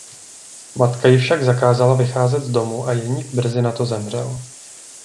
Matka jí však zakázala vycházet z domu a Jeník brzy na to zemřel.